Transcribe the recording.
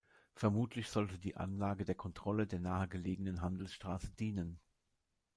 Vermutlich sollte die Anlage der Kontrolle der nahe gelegenen Handelsstraße dienen.